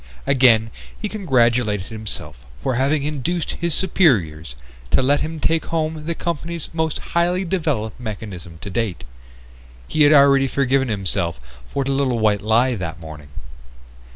Again he congratulated himself for having induced his superiors to let him take home the company's most highly developed mechanism to date. He had already forgiven himself for the little white lie that morning.